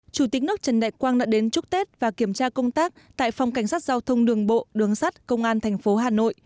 chủ tịch nước trần đại quang đã đến chúc tết và kiểm tra công tác tại phòng cảnh sát giao thông đường bộ đường sắt công an thành phố hà nội